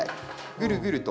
ぐるぐると。